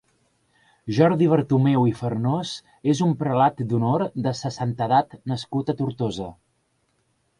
Jordi Bertomeu i Farnós és un prelat d'Honor de Sa Santedat nascut a Tortosa.